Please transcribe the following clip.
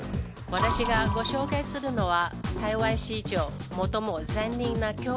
私がご紹介するのは。